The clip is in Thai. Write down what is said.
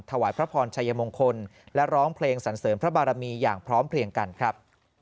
ถวายพระพรชัยมงคลและร้องเพลงสันเสริมพระบารมีอย่างพร้อมเพลียงกันครับ